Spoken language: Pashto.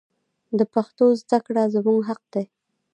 د پښتو زده کړه زموږ حق دی.